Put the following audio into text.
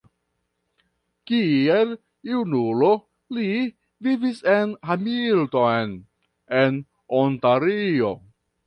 Kiel junulo li vivis en Hamilton en Ontario.